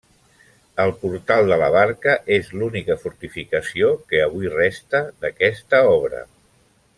El portal de la Barca és l'única fortificació que avui resta d'aquesta obra.